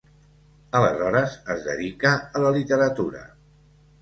Aleshores es dedica a la literatura.